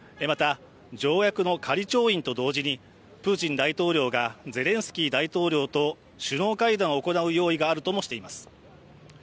また、条約の仮調印と同時にプーチン大統領がゼレンスキー大統領と首脳会談を行う用意があるともしています。